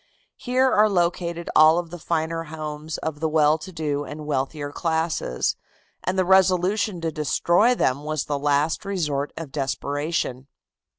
Here are located all of the finer homes of the well to do and wealthier classes, and the resolution to destroy them was the last resort of desperation.